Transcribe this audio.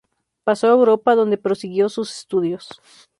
Pasó a Europa donde prosiguió sus estudios.